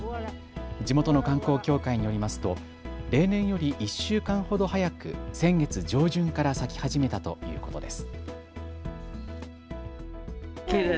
地元の観光協会によりますと例年より１週間ほど早く先月上旬から咲き始めたということです。